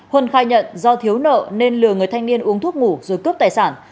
huân khai nhận do thiếu nợ nên lừa người thanh niên uống thuốc ngủ rồi cướp tài sản